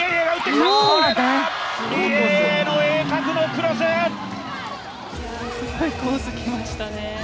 いや、すごいコースきましたね。